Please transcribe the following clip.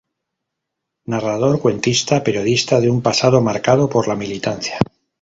Narrador, cuentista, periodista de un pasado marcado por la militancia.